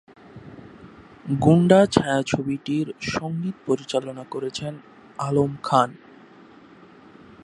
গুন্ডা ছায়াছবিটির সঙ্গীত পরিচালনা করেছেন আলম খান।